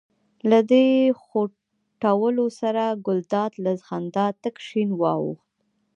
له دې خوټولو سره ګلداد له خندا تک شین واوښت.